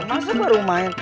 masa baru main